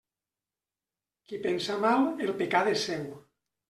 Qui pensa mal, el pecat és seu.